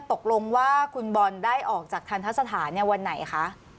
ตกลงว่าคุณบอลได้ออกจากทันทะสถานวันไหนคะ